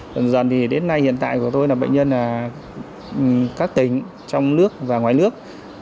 dần dần thì đến nay hiện tại của tôi là bệnh nhân các tỉnh trong nước và ngoài nước